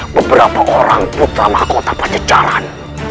beberapa orang putra mahkota pacecaran